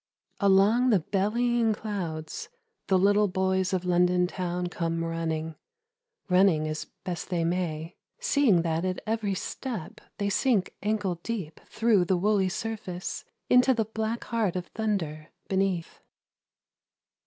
Along the bellying clouds the little boys of London Town come running, running as best they may, seeing that at every step they sink ankle deep through the woolly surface into the black heart of thunder beneath.